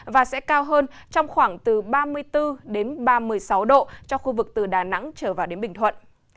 và sẽ cao hơn trong khoảng từ ba mươi bốn đến ba mươi sáu độ cho khu vực từ đà nẵng trở vào đến bình thuận